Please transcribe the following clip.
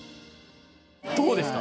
どうですか？